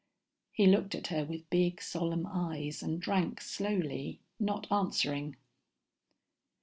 He looked at her with big solemn eyes and drank slowly, not answering.